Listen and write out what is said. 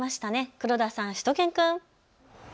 黒田さん、しゅと犬くん。